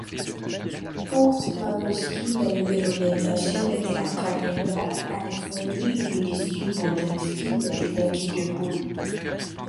Pour Maiorescu, la nouvelle orientation était incarnée par: Alecsandri, Eminescu, Bodnarescu, Matilda Cugler-Poni, Th.